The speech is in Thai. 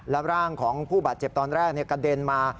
แล้วร่างของผู้บาดเจ็บตอนแรกกระเด็นมา